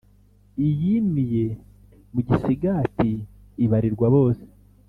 Iyimiye mu gisigati ibarirwa bose.